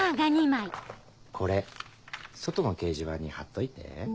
これ外の掲示板に張っといて。